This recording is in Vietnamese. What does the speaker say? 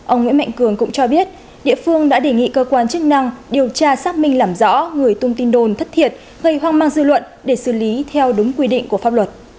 ông nguyễn mạnh cường cũng cho biết địa phương đã đề nghị cơ quan chức năng điều tra xác minh làm rõ người tung tin đồn thất thiệt gây hoang mang dư luận để xử lý theo đúng quy định của pháp luật